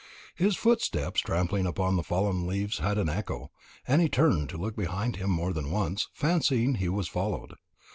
His footsteps trampling upon the fallen leaves had an echo; and he turned to look behind him more than once, fancying he was followed.